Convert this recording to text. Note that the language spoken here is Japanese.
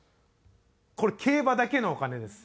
これ競馬だけのお金です。